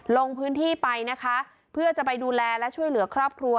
ลงพื้นที่ไปนะคะเพื่อจะไปดูแลและช่วยเหลือครอบครัว